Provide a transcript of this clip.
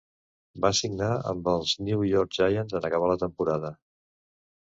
Va signar amb els New York Giants en acabar la temporada.